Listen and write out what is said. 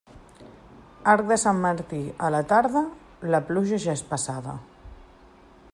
Arc de Sant Martí a la tarda, la pluja ja és passada.